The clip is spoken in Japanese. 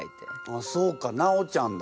あっそうかなおちゃんだ。